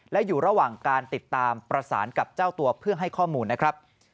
และอยู่ระหว่างการติดตามประสานกับเจ้าตัวเพื่อให้ข้อมูลนะครับ